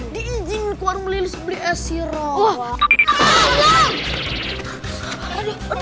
diinjing warung melilis beli esirawa